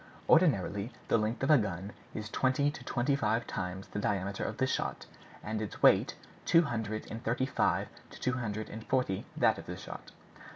"Ordinarily the length of a gun is twenty to twenty five times the diameter of the shot, and its weight two hundred and thirty five to two hundred and forty times that of the shot."